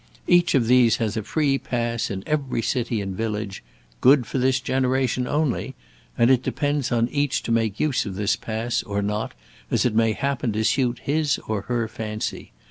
Each of these has a free pass in every city and village, 'good for this generation only,' and it depends on each to make use of this pass or not as it may happen to suit his or her fancy.